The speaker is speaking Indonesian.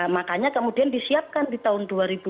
makanya kemudian disiapkan di tahun dua ribu dua puluh